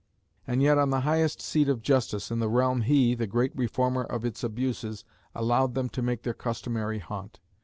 And yet on the highest seat of justice in the realm he, the great reformer of its abuses, allowed them to make their customary haunt.